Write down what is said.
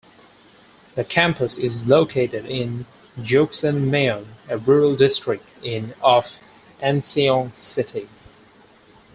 The campus is located in Juksan-myeon, a rural district of Anseong city.